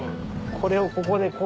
これをここで。